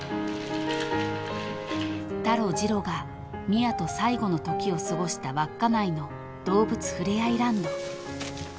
［タロジロが宮と最後のときを過ごした稚内の動物ふれあいランド］